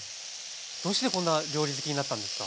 どうしてこんな料理好きになったんですか